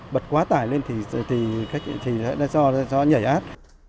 bật quá tải lên thì do nhảy át